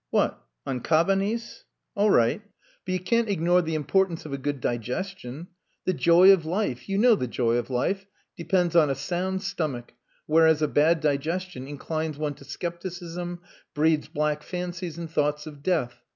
"What? On Cabanis? All right. But you can't ignore the importance of a good digestion. The joy of life you know the joy of life? depends on a sound stomach, whereas a bad digestion inclines one to scepticism, breeds black fancies and thoughts of death.